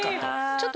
ちょっと。